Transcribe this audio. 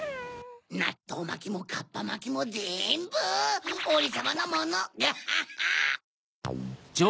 なっとうまきもかっぱまきもぜんぶオレさまのものガハハ！